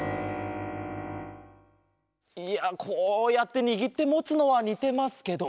いやこうやってにぎってもつのはにてますけど